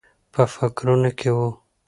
په فکرونو کې و.